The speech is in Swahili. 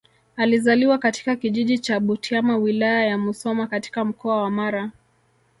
Alizaliwa katika kijiji cha Butiama Wilaya ya Musoma katika Mkoa wa Mara